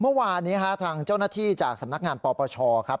เมื่อวานนี้ทางเจ้าหน้าที่จากสำนักงานปปชครับ